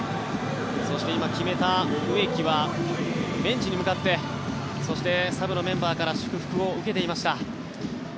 そして今、決めた植木はベンチに向かってそして、サブのメンバーから祝福を受けていました。